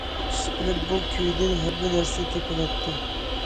ئىشقىلىپ بۇ كۈيدىن ھەممە نەرسە تېپىلاتتى.